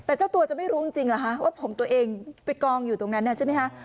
แต่เจ้าตัวจะไม่รู้จริงเหรอคะว่าผมตัวเองไปกองอยู่ตรงนั้นใช่ไหมคะ